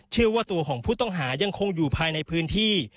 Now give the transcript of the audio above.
เชื่อว่าตัวของผู้ต้องหายังคงอยู่ภายในพื้นที่